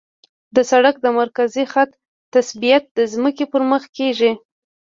د سړک د مرکزي خط تثبیت د ځمکې پر مخ کیږي